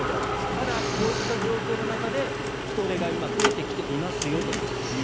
ただ、こういった状況の中で人出が今、増えてきていますよと。